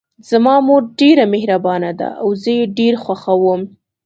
زما مور ډیره مهربانه ده او زه یې ډېر خوښوم